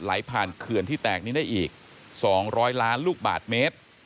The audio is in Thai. ไหลผ่านเขื่อนที่แตกนี้ได้อีก๒๐๐ล้านลูกบาทเมตร